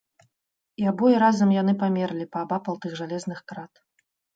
І абое разам яны памерлі паабапал тых жалезных крат.